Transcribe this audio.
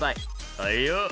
「はいよ」